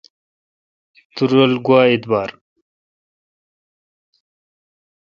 تو رل گوا اعتبار۔